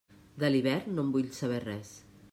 De l'hivern no en vull saber res.